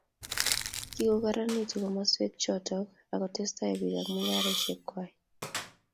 kikokararanitu komoswek choto ako tetesetai bik ab mungaresiek kwai